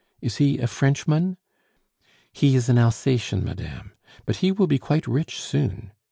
Is he a Frenchman?" "He is an Alsatian, madame. But he will be quite rich soon.